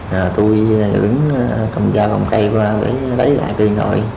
rồi tôi đứng cầm dao cầm cây qua để lấy lại điện thoại